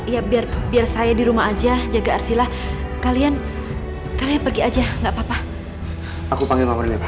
ya biar biar saya di rumah aja jaga arsila kalian kalian pergi aja nggak papa aku panggil pameran ya pak